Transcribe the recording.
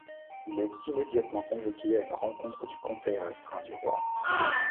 Il est immédiatement convoqué à une rencontre du Conseil restreint du roi.